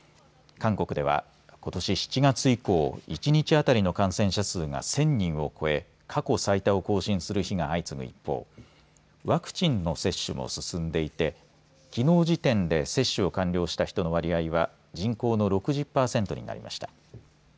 韓国ではことし７月以降、一日当たりの感染者数が１０００人を超え、過去最多を更新する日が相次ぐ一方、ワクチンの接種も進んでいてきのう時点で接種を完了した人の割合は人口の６０％になりました。